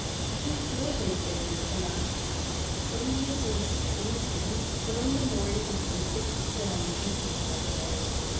Two further days elapsed. Spendius restrained him; but on the morning of the sixth day he departed.